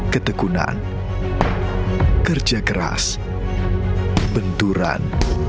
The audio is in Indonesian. ketekunan kerja keras benturan